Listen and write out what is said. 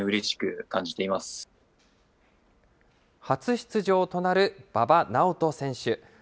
初出場となる馬場直人選手。